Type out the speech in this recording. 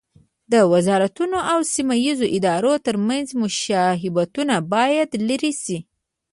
د وزارتونو او سیمه ییزو ادارو ترمنځ مشابهتونه باید لرې شي.